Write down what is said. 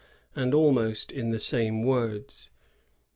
of 1647, and almost in the same words.